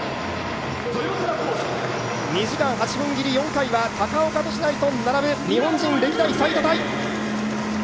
２時間８分切り４回は高岡寿成と並ぶ日本人歴代最多タイ。